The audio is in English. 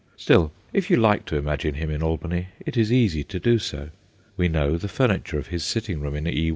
Still, if you like to imagine him in Albany, it is easy to do so. We know the furniture of his sitting room in E.